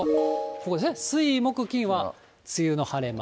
ここですね、水、木、金は梅雨の晴れ間。